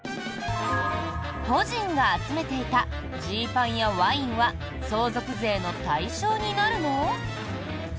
故人が集めていたジーパンやワインは相続税の対象になるの？